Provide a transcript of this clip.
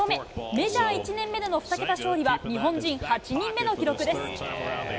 メジャー１年目での２桁勝利は日本人８人目の記録です。